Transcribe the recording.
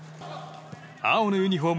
青のユニホーム